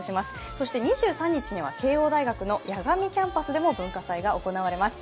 そして２３日には慶応大学の矢上キャンバスでも文化祭が行われます。